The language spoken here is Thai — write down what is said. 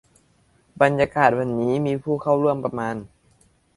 บรรยากาศวันนี้มีผู้เข้าร่วมประมาณ